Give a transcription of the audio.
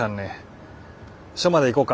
署まで行こうか。